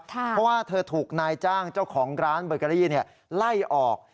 เพราะว่าเธอถูกนายจ้างเจ้าของร้านเบอร์เกอรี่ไล่ออก